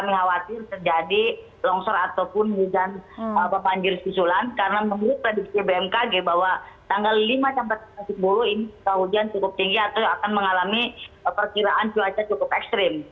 pengawasin terjadi longsor ataupun hutan papanjir susulan karena menurut prediksi bmkg bahwa tanggal lima empat puluh ini kehujan cukup tinggi atau akan mengalami perkiraan cuaca cukup ekstrim